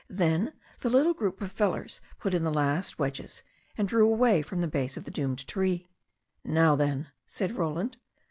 Then the little group of fellers put in the last wedges and drew away from the base of the doomed tree. "Now, then," said Roland.